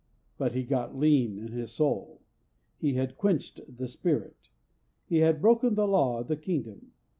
But he got lean in his soul. He had quenched the Spirit. He had broken the law of the Kingdom.